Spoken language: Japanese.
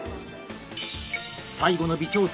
最後の微調整。